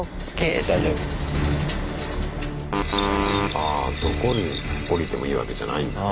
ああどこに降りてもいいわけじゃないんだね。